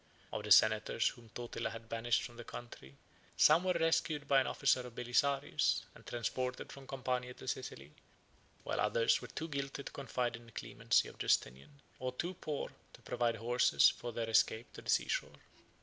Of the senators whom Totila had banished from their country, some were rescued by an officer of Belisarius, and transported from Campania to Sicily; while others were too guilty to confide in the clemency of Justinian, or too poor to provide horses for their escape to the sea shore.